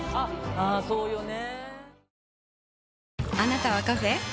ああそうよね。